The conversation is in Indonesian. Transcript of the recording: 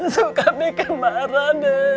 suka bikin marah dede